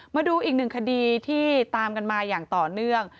มาดูอีกหนึ่งคดีที่ตามกันมาอย่างต่อเนื่อง